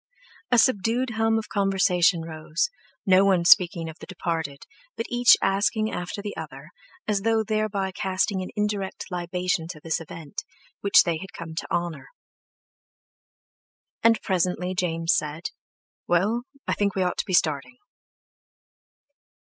A subdued hum of conversation rose, no one speaking of the departed, but each asking after the other, as though thereby casting an indirect libation to this event, which they had come to honour. And presently James said: "Well, I think we ought to be starting."